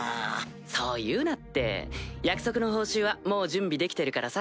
そう言うなって約束の報酬はもう準備できてるからさ。